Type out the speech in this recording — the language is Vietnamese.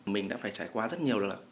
mình đã phải trải qua rất nhiều lần